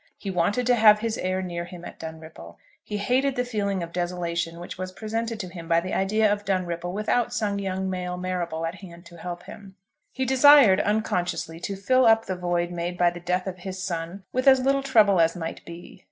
He wanted to have his heir near him at Dunripple. He hated the feeling of desolation which was presented to him by the idea of Dunripple without some young male Marrable at hand to help him. He desired, unconsciously, to fill up the void made by the death of his son with as little trouble as might be.